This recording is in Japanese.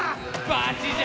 バチじゃ！